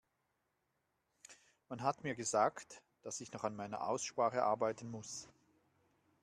Man hat mir gesagt, dass ich noch an meiner Aussprache arbeiten muss.